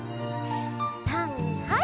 さんはい！